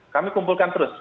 kami kumpulkan terus